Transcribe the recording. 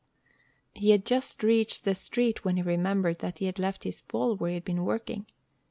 He had just reached the street when he remembered that he had left his ball where he had been working.